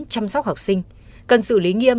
chăm sóc học sinh cần xử lý nghiêm